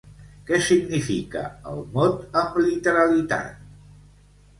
Què significa el mot amb literalitat?